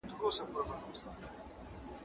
د بدلون په حال کې ژوند کول مهم دي.